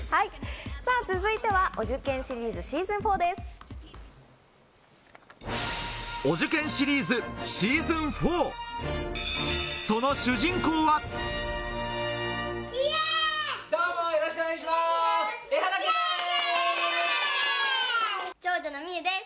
さぁ、続いてはお受験シリーズ・シーズン４です。